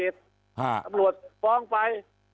ธรรมรวจฟ้องไป